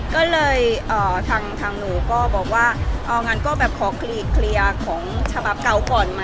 ก็เลยทางหนูก็บอกว่าเอางั้นก็แบบขอเคลียร์ของฉบับเก่าก่อนไหม